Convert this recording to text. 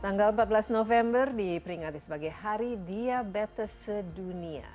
tanggal empat belas november diperingati sebagai hari diabetes sedunia